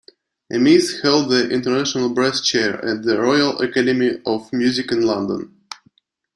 Amis held the International Brass Chair at the Royal Academy of Music in London.